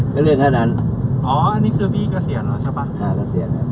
ก็เรียนแค่นั้นอ๋ออันนี้คือพี่เกษียณแล้วใช่ป่ะห้าเกษียณแล้ว